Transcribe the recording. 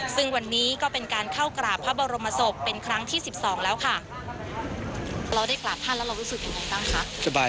ซึ่งวันนี้ก็เป็นการเข้ากราบพระบรมศพเป็นครั้งที่๑๒แล้วค่ะ